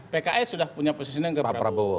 pks sudah punya positioning ke pak prabowo